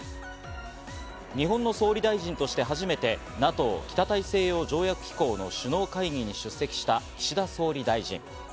日本の総理大臣として初めてＮＡＴＯ＝北大西洋条約機構の首脳会議に出席した岸田総理大臣。